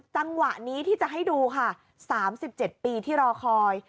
จังหวะนี้ที่จะให้ดูค่ะ๓๗ปีที่รอคอย